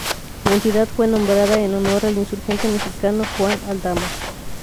La entidad fue nombrada en honor al insurgente mexicano Juan Aldama.